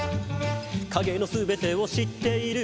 「影の全てを知っている」